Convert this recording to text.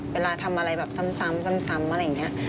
เวลาทำอะไรแบบซ้ำอะไรอย่างนี้